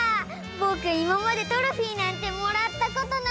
ぼくいままでトロフィーなんてもらったことないのに！